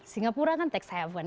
singapura kan tax haven